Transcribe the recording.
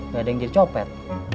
gak ada yang jadi copet